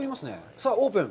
さあオープン。